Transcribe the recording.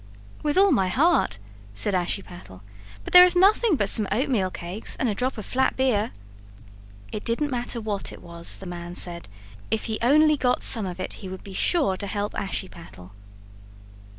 "With all my heart," said Ashiepattle, "but there is nothing but some oatmeal cakes and a drop of flat beer." It didn't matter what it was, the man said; if he only got some of it he would be sure to help Ashiepattle.